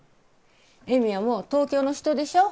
江美はもう東京の人でしょ。